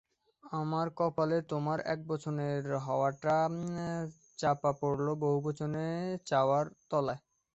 আমার কপালে তোমার একবচনের চাওয়াটা চাপা পড়ল বহুবচনের চাওয়ার তলায়।